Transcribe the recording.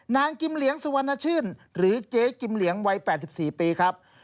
กิมเหลียงสุวรรณชื่นหรือเจ๊กิมเหลียงวัย๘๔ปีครับ